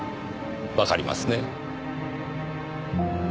わかりますね？